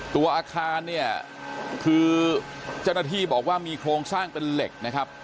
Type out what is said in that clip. ตัวอาคารเนี่ยคือเจ้าหน้าที่บอกว่ามีโครงสร้างเป็นเหล็กนะครับ